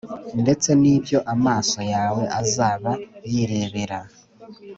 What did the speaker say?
ndetse n’ibyo amaso yawe azaba yirebera